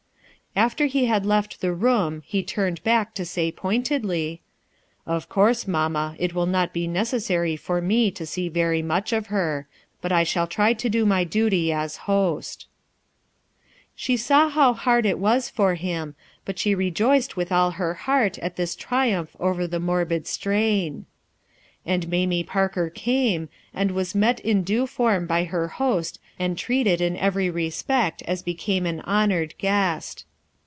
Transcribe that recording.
After he had left the room he turned back to say pointedly :— "Of course, mamma, it will not be necessary 396 RUTH ERSKIXE'S SOX for me to see very much of her ; but I shall to do my duty as host," She saw how hard it was for him, but she re joiced with all her heart at this triumph over th morbid strain. And Mamie Parker came; and was met in due form by her host and treated in every re spect as became an honored guest.